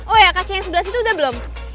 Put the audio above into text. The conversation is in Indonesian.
oh ya kacanya sebelah situ udah belum